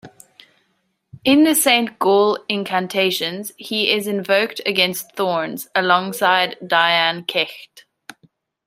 In the Saint Gall incantations, he is invoked against thorns, alongside Dian Cecht.